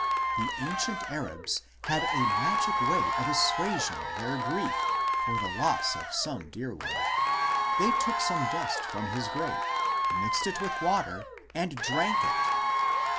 The ancient Arabs had a magic way of assuaging their grief for the loss of some dear one ; they took some dust from his grave, mixed it with water, and drank it